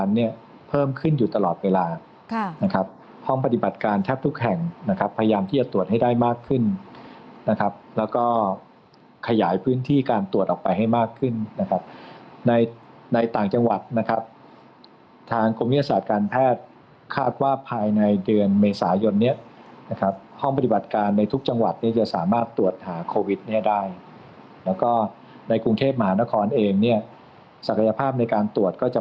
เนี้ยเพิ่มขึ้นอยู่ตลอดเวลาค่ะนะครับห้องปฏิบัติการแทบทุกแห่งนะครับพยายามที่จะตรวจให้ได้มากขึ้นนะครับแล้วก็ขยายพื้นที่การตรวจออกไปให้มากขึ้นนะครับในในต่างจังหวัดนะครับทางคุณวิทยาศาสตร์การแพทย์คาดว่าภายในเดือนเมษายนเนี้ยนะครับห้องปฏิบัติการในทุกจังหวัดเนี้ยจะสามารถต